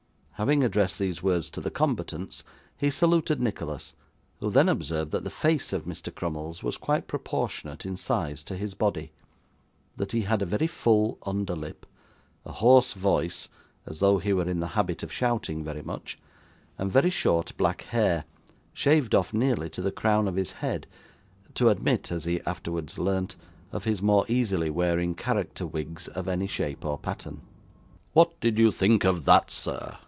Having addressed these words to the combatants, he saluted Nicholas, who then observed that the face of Mr. Crummles was quite proportionate in size to his body; that he had a very full under lip, a hoarse voice, as though he were in the habit of shouting very much, and very short black hair, shaved off nearly to the crown of his head to admit (as he afterwards learnt) of his more easily wearing character wigs of any shape or pattern. 'What did you think of that, sir?